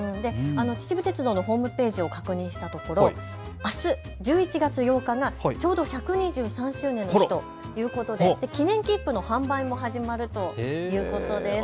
秩父鉄道のホームページを確認したところ、あす１１月８日がちょうど１２３周年の日ということで記念切符の販売も始まるということです。